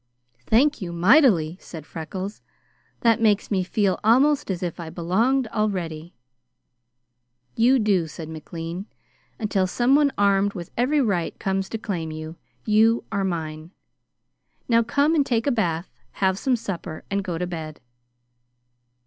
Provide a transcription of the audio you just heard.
"Thank you mightily," said Freckles. "That makes me feel almost as if I belonged, already." "You do," said McLean. "Until someone armed with every right comes to claim you, you are mine. Now, come and take a bath, have some supper, and go to bed."